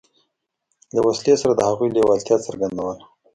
له وسلې سره د هغوی لېوالتیا څرګندوله.